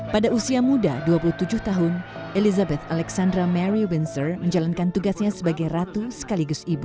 pada usia muda dua puluh tujuh tahun elizabeth alexandra mary windsor menjalankan tugasnya sebagai ratu sekaligus ibu